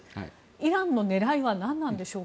イランの狙いは何なんでしょうか？